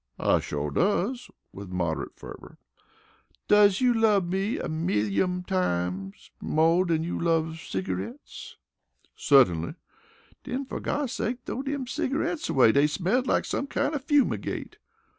"I shore does" with moderate fervor. "Does you love me a millyum times mo' dan you loves cigareets?" "Suttinly." "Den, fer gossake, throw dem cigareets away! Dey smells like some kind o' fumigate."